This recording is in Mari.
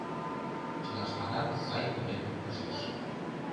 Чылаштланат сай пӧлекым ыштыш.